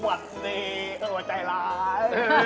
โหวัดดีโหวัดใจร้าย